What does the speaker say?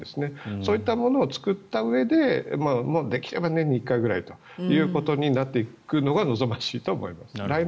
そういったものを作ったうえでできれば年に１回くらいというふうになっていくのが望ましいと思います。